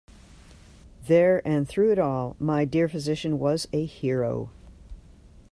There, and through it all, my dear physician was a hero.